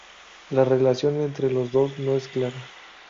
La relación entre los dos no es clara.